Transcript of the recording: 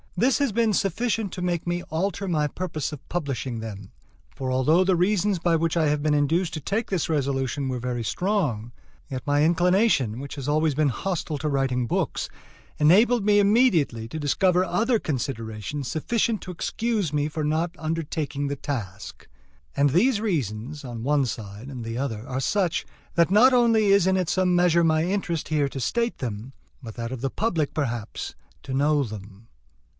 This has been sufficient to make me alter my purpose of publishing them; for although the reasons by which I had been induced to take this resolution were very strong, yet my inclination, which has always been hostile to writing books, enabled me immediately to discover other considerations sufficient to excuse me for not undertaking the task. And these reasons, on one side and the other, are such, that not only is it in some measure my interest here to state them, but that of the public, perhaps, to know them.